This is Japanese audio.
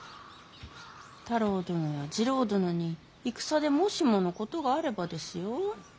太郎殿や次郎殿に戦でもしものことがあればですよ